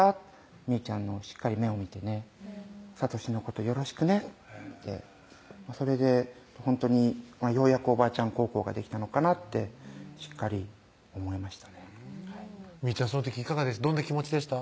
みーちゃんのしっかり目を見てね「聡のことよろしくね」ってそれでほんとにようやくおばあちゃん孝行ができたのかなってしっかり思いましたねみーちゃんその時どんな気持ちでした？